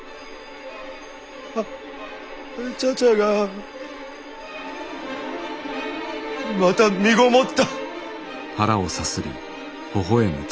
あ茶々がまたみごもった！